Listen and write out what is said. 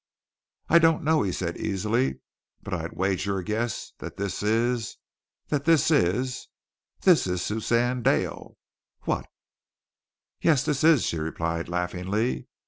"I don't know," he said easily, "but I wager a guess that this is that this is this is Suzanne Dale what?" "Yes, this is," she replied laughingly.